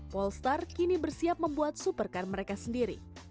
polestar kini bersiap membuat supercar mereka sendiri